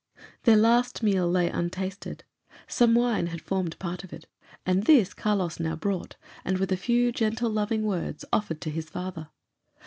Their last meal lay untasted. Some wine had formed part of it; and this Carlos now brought, and, with a few gentle, loving words, offered to his father.